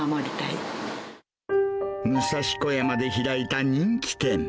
武蔵小山で開いた人気店。